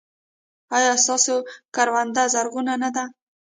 ایا ستاسو کرونده زرغونه نه ده؟